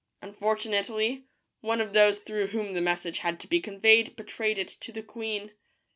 Unfortunately, one of those through whom the message had to be conveyed betrayed it to the queen.